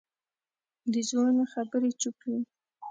د زړونو خبرې چوپ وي